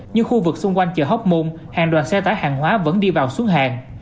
nhưng khu vực xung quanh chợ hóc môn hàng đoàn xe tải hàng hóa vẫn đi vào xuống hàng